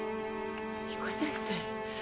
彦先生。